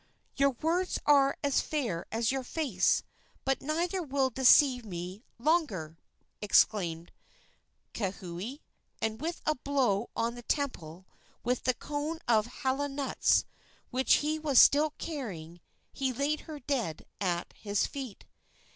"Your words are as fair as your face, but neither will deceive me longer!" exclaimed Kauhi; and with a blow on the temple with the cone of hala nuts, which he was still carrying, he laid her dead at his feet.